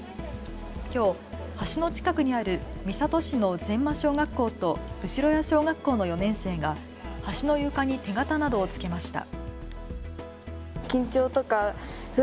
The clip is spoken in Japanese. きょう、橋の近くにある三郷市の前間小学校と後谷小学校の４年生が橋の床に手形などをつけました。